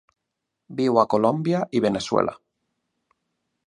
Viu a Colòmbia i Veneçuela.